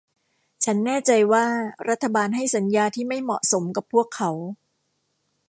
ฉันแน่ใจว่ารัฐบาลให้สัญญาที่ไม่เหมาะสมกับพวกเขา